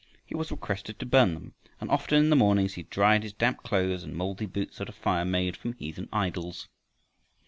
He was requested to burn them, and often in the mornings he dried his damp clothes and moldy boots at a fire made from heathen idols.